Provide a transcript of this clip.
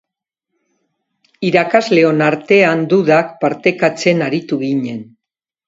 Irakasleon artean dudak partekatzen aritu ginen.